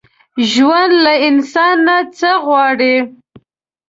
ژوند له انسان نه څه غواړي؟